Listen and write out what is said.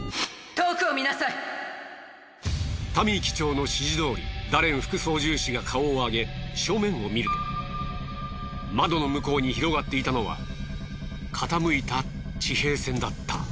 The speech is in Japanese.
タミー機長の指示どおりダレン副操縦士が顔を上げ正面を見ると窓の向こうに広がっていたのは傾いた地平線だった。